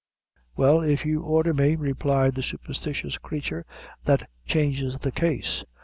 "Well, if you ordher me," replied the superstitious creature, "that changes the case.